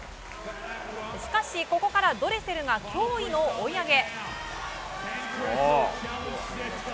しかし、ここからドレセルが驚異の追い上げ。